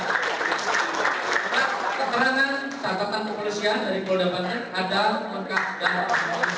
surat keterangan tangkatan kepolisian dari bolda bantet ada lengkap dan penuhi sarang